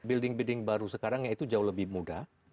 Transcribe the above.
building building baru sekarang itu jauh lebih mudah